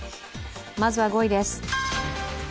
まずは５位です。